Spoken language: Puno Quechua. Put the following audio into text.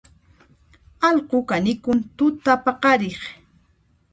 Allqu kanikun tutapaqariq